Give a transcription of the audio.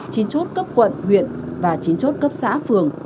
chín chốt cấp quận huyện và chín chốt cấp xã phường